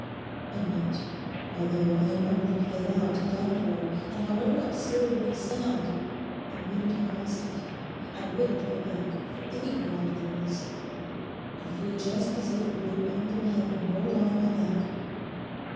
And yet, although I am utterly played out and done for, and however absurd it may sound, I wouldn't have lost it; I wouldn't go back for any bribe there is. I feel just as if a great bundle had been rolled off my back.